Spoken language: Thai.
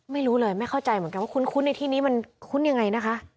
ไม่รู้เลยไม่เข้าใจเหมือนกันว่าคุ้นในที่นี้มันคุ้นยังไงนะคะ